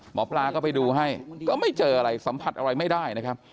หมอปลาก็ไปดูให้ก็ไม่เจออะไรสัมผัสอะไรไม่ได้นะครับ